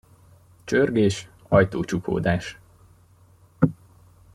Csörgés, ajtócsukódás.